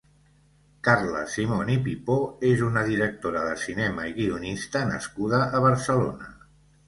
Carla Simón i Pipó és una directora de cinema i guionista nascuda a Barcelona.